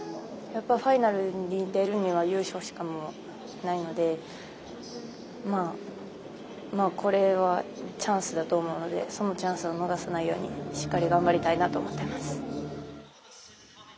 ファイナルに出るには優勝しかないのでこれはチャンスだと思うのでそのチャンスを逃さないようにしっかり頑張りたいなと思ってます。